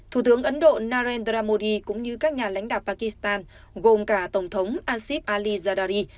thủ tướng ấn độ narendra modi cũng như các nhà lãnh đạo pakistan gồm cả tổng thống asib ali zardari